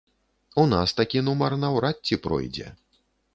У нас такі нумар наўрад ці пройдзе.